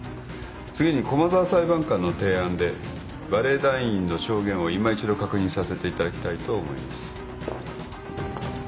次に駒沢裁判官の提案でバレエ団員の証言をいま一度確認させていただきたいと思います。